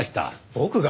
僕が？